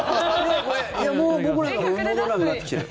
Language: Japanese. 僕なんかも戻らなくなってきてる。